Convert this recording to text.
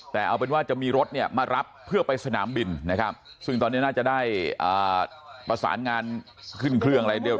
แต่เอาเป็นว่าจะมีรถเนี่ยมารับเพื่อไปสนามบินนะครับซึ่งตอนนี้น่าจะได้ประสานงานขึ้นเครื่องอะไรด้วย